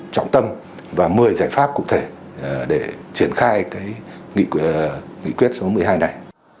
trọng tâm và một mươi giải pháp cụ thể để triển khai nghị quyết số một mươi hai này